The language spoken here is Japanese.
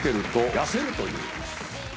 痩せるという。